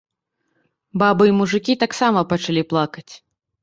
Бабы і мужыкі таксама пачалі плакаць.